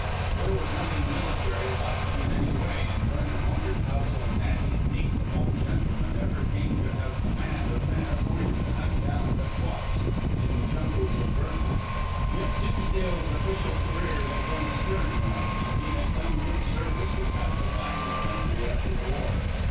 There was nothing military about him in any way, and Vernon wondered how so natty and neat an old gentleman ever came to have command of men appointed to hunt down Dacoits in the jungles of Burmah. Yet Dimsdale's official career had been a stirring one, and he had done good service in pacifying the country after the war.